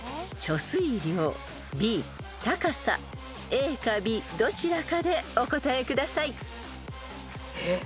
［ＡかＢどちらかでお答えください］えっ？